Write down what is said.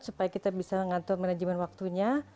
supaya kita bisa mengatur manajemen waktunya